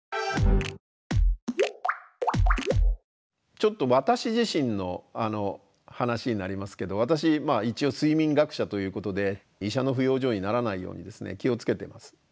ちょっと私自身の話になりますけど私一応睡眠学者ということで医者の不養生にならないようにですね気を付けてます。